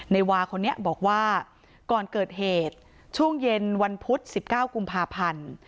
ในวาคนนี้บอกว่าก่อนเกิดเหตุช่วงเย็นวันพุธ๑๙กุมภาพันธ์